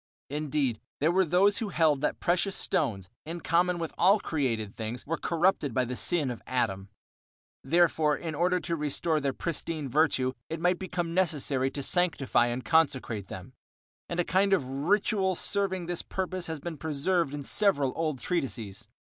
Indeed, there were those who held that precious stones, in common with all created things, were corrupted by the sin of Adam. Therefore, in order to restore their pristine virtue it might become necessary to sanctify and consecrate them, and a kind of ritual serving this purpose has been preserved in several old treatises.